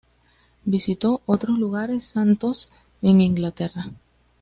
Visitó otros lugares santos en Inglaterra.